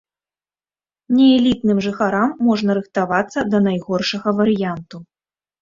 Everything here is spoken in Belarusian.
Неэлітным жыхарам можна рыхтавацца да найгоршага варыянту.